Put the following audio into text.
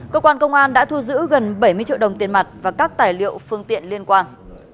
cơ quan công an đã thu giữ gần bảy mươi triệu đồng tiền mặt và các tài liệu phương tiện liên quan